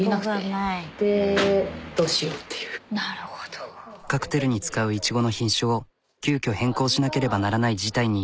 でカクテルに使ういちごの品種を急きょ変更しなければならない事態に。